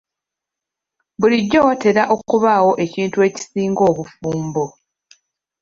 Bulijjo watera okubaawo ekintu ekisinga obufumbo.